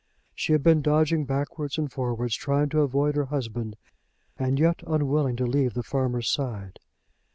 She had been dodging backwards and forwards trying to avoid her husband, and yet unwilling to leave the farmer's side.